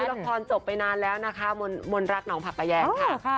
ละครจบไปนานแล้วนะคะมนรักหนองผักปะแยงค่ะ